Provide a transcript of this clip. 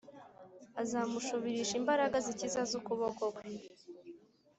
Azamushubirisha imbaraga zikiza z’ukuboko kwe